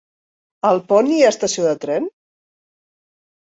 A Alpont hi ha estació de tren?